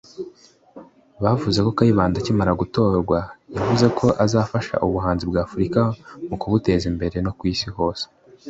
bavuze ko Kayibanda akimara gutorwa yavuze ko azafasha ubuhanzi bwa Afrika mu kubuteza imbere no ku isi hose